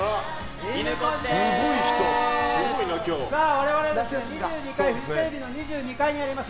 我々フジテレビの２２階にあります